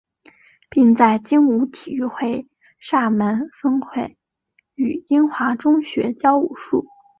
并在精武体育会厦门分会与英华中学教武术。